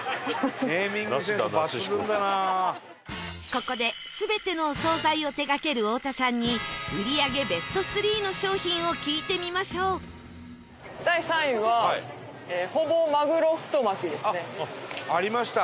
ここで全てのお総菜を手がける太田さんに売り上げベスト３の商品を聞いてみましょうありました！